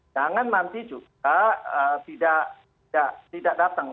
jangan nanti juga tidak datang